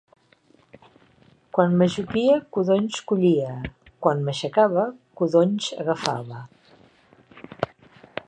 Quan m’ajupia, codonys collia. Quan m’aixecava, codonys agafava.